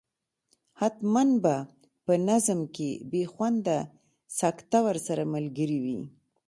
حتما به په نظم کې بې خونده سکته ورسره ملګرې وي.